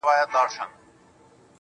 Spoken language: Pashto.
لاس تړلی